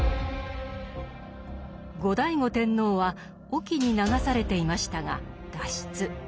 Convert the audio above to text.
後醍醐天皇は隠岐に流されていましたが脱出。